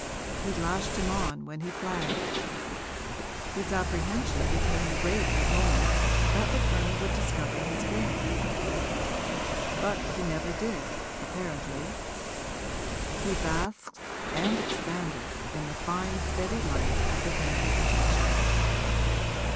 He lashed him on when he flagged; his apprehension became great at moments that the Colonel would discover his game. But he never did, apparently; he basked and expanded in the fine steady light of the painter's attention.